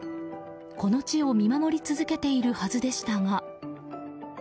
この地を見守り続けているはずでしたが。